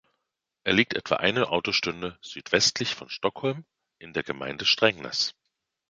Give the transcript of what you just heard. Er liegt etwa eine Autostunde südwestlich von Stockholm in der Gemeinde Strängnäs.